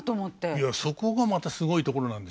いやそこがまたすごいところなんですよ。